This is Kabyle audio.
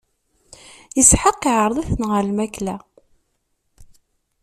Isḥaq iɛreḍ-iten ɣer lmakla.